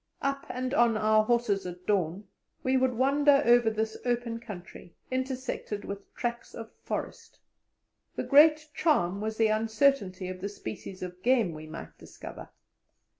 Up and on our horses at dawn, we would wander over this open country, intersected with tracks of forest. The great charm was the uncertainty of the species of game we might discover.